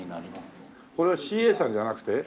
これはＣＡさんじゃなくて？